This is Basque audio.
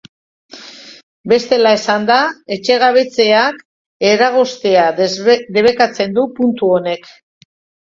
Bestela esanda, etxegabetzeak eragoztea debekatzen du puntu honek.